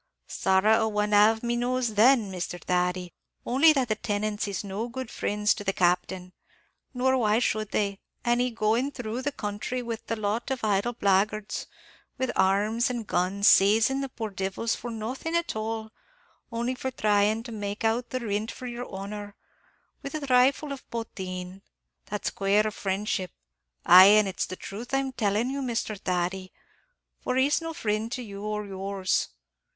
"Sorra a one av me knows then, Misthur Thady; only that the tenants is no good frinds to the Captain; nor why should they, an' he going through the counthry with a lot of idle blagguards, with arms, an' guns, sazin' the poor divils for nothin' at all, only for thryin' to make out the rint for yer honor, with a thrifle of potheen? That's quare friendship; ay, an' it's the truth I'm tellin' you, Misthur Thady, for he's no frind to you or yours.